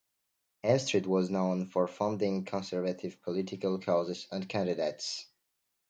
Hemstreet was known for funding conservative political causes and candidates.